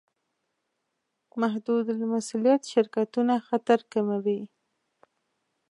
محدودالمسوولیت شرکتونه خطر کموي.